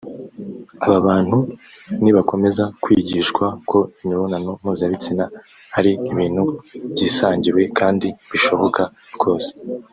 Aba bantu nibakomeza kwigishwa ko imibonano mpuza bitsina ari ibintu byisangiwe kandi bishoboka rwose